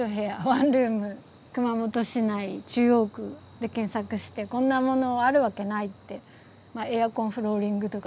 ワンルーム熊本市内中央区で検索してこんなものあるわけないってエアコンフローリングとかですね